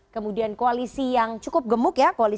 kemudian koalisi yang cukup gemuk ya